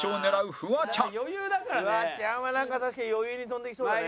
フワちゃんは確かに余裕で跳んでいきそうだね。